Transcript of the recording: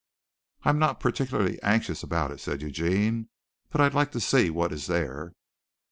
"I'm not particularly anxious about it," said Eugene, "but I'd like to see what is there."